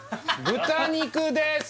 豚肉です！